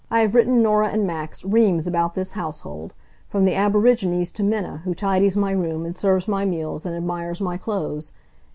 I have written Norah and Max reams about this household, from the aborigines to Minna, who tidies my room and serves my meals, and admires my clothes.